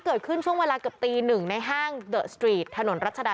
เกิดขึ้นเวลากระเป๋าตีของ๑น้ำ